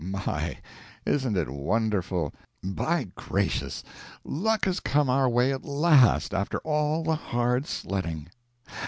"My! isn't it wonderful? By gracious! luck has come our way at last, after all the hard sledding.